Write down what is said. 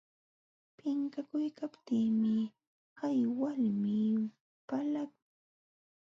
Pinqakuykaptiimi hay walmi palaqman.